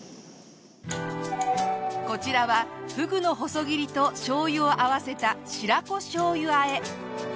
こちらはフグの細切りとしょうゆを合わせた白子しょうゆ和え。